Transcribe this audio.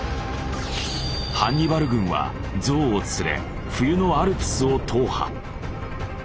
ハンニバル軍はゾウを連れ冬のアルプスを踏破。